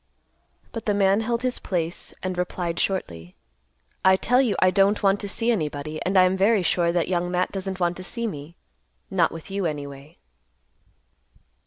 But the man held his place, and replied shortly, "I tell you I don't want to see anybody, and I am very sure that Young Matt doesn't want to see me, not with you, anyway."